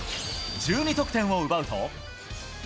１２得点を奪うと。